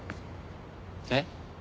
えっ？